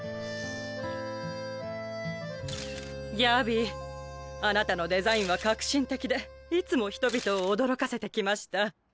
ギャビーあなたのデザインは革新的でいつも人々を驚かせて来ました。